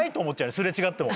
擦れ違っても。